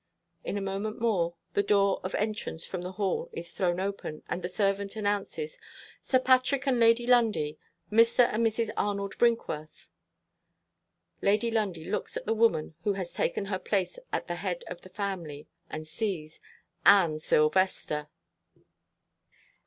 In a moment more, the door of entrance from the hall is thrown open; and the servant announces, "Sir Patrick and Lady Lundie. Mr. and Mrs. Arnold Brinkworth." Lady Lundie looks at the woman who has taken her place at the head of the family; and sees ANNE SILVESTER!